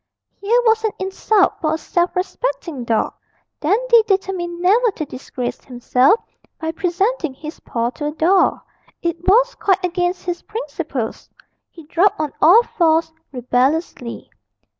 Here was an insult for a self respecting dog! Dandy determined never to disgrace himself by presenting his paw to a doll; it was quite against his principles. He dropped on all fours rebelliously.